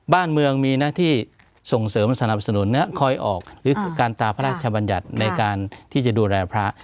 บ้านเมืองมีหน้าที่ส่งเสริมสนับสนุนคอยออกหรือการตาพระราชบัญญัติในการที่จะดูแลพระ